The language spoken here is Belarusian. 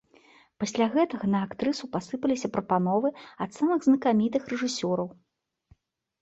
Пасля гэтага на актрысу пасыпаліся прапановы ад самых знакамітых рэжысёраў.